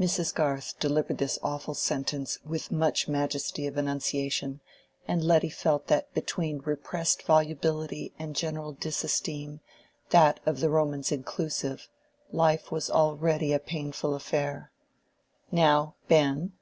(Mrs. Garth delivered this awful sentence with much majesty of enunciation, and Letty felt that between repressed volubility and general disesteem, that of the Romans inclusive, life was already a painful affair.) "Now, Ben."